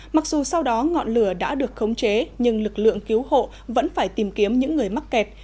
mặc dù sau đó ngọn lửa đã được khống chế nhưng lực lượng cứu hộ vẫn phải tìm kiếm những người mắc kẹt